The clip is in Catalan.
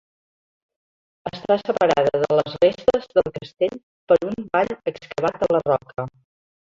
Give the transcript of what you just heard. Està separada de les restes del castell per un vall excavat a la roca.